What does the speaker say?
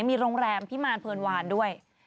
มีโรงแรมพิมารเพลินวานด้วย